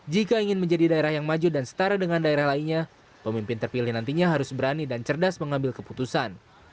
jika ingin menjadi daerah yang maju dan setara dengan daerah lainnya pemimpin terpilih nantinya harus berani dan cerdas mengambil keputusan